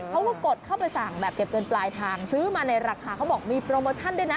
กดเข้าไปสั่งแบบเก็บเงินปลายทางซื้อมาในราคาเขาบอกมีโปรโมชั่นด้วยนะ